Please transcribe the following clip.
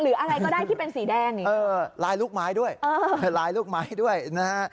อะไรก็ได้ที่เป็นสีแดงนี่เออลายลูกไม้ด้วยเออลายลูกไม้ด้วยนะฮะ